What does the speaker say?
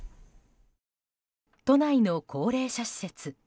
都内の高齢者施設。